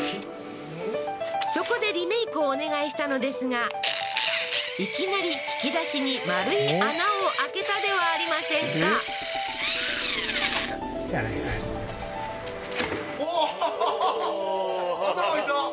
そこでリメイクをお願いしたのですがいきなり引き出しに丸い穴を開けたではありませんかおおー！